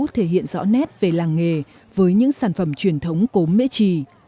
thể hiện rõ nét về làng nghề với những sản phẩm truyền thống cốm mễ trì